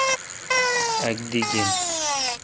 اک دی گین۔